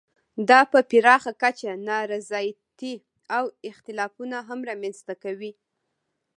دا په پراخه کچه نا رضایتۍ او اختلافونه هم رامنځته کوي.